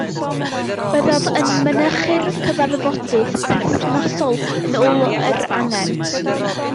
Byddaf yn mynychu'r cyfarfodydd perthnasol yn ôl yr angen